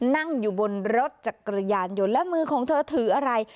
นั่งอยู่บนรถจักรยานยนต์และมือของเธอถืออะไร